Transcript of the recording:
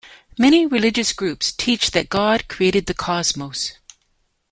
Many religious groups teach that God created the Cosmos.